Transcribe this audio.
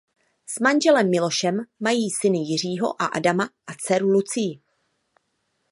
S manželem Milošem mají syny Jiřího a Adama a dceru Lucii.